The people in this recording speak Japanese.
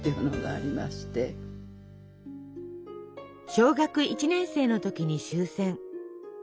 小学１年生の時に終戦。